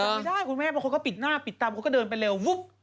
ไม่ได้คุณแม่บางคนก็ปิดหน้าปิดตามันก็เดินไปเร็ว